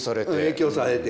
影響されて。